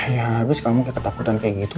ya abis kamu kayak ketakutan kayak gitu